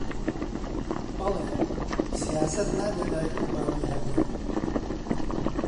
بەڵێ سیاسەت نابێ دایک و بابی هەبێ